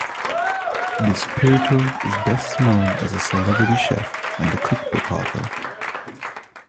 DiSpirito is best known as a celebrity chef and a cookbook author.